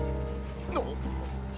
あっ。